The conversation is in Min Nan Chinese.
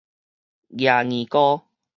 夯硬篙